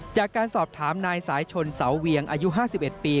จากการสอบถามนายสายชนเสาเวียงอายุ๕๑ปี